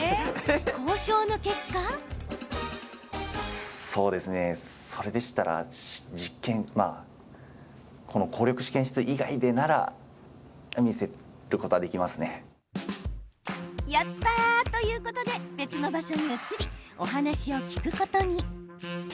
交渉の結果。ということで、別の場所に移りお話を聞くことに。